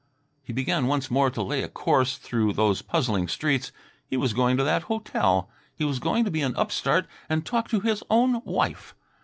He began once more to lay a course through those puzzling streets. He was going to that hotel. He was going to be an upstart and talk to his own wife.